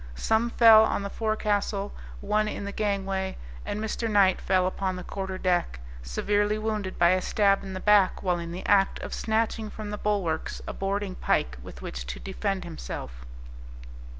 Some fell on the forecastle, one in the gangway, and Mr. Knight fell upon the quarter deck, severely wounded by a stab in the back while in the act of snatching from the bulwarks a boarding pike with which to defend himself.